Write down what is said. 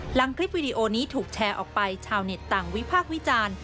หลังคลิปวิดีโอนี้ถูกแชร์ออกไปชาวเน็ตต่างวิพากษ์วิจารณ์